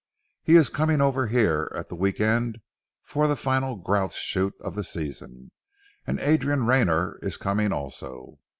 He is coming over here at the week end for the final grouse shoot of the season, and Adrian Rayner is coming also.